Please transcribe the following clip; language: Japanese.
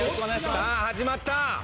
さぁ始まった！